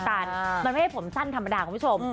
มันไม่ได้ผมสั้นธรรมดาคุณผู้ชม